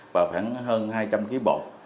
và khoảng hơn hai trăm linh kg bột